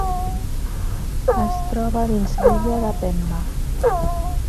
Es troba dins de l'illa de Pemba.